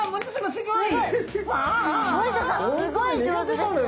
すごい上手ですね。